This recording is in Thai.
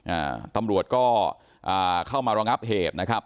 อ่าตำรวจก็อ่าเข้ามารองับเหตุนะครับ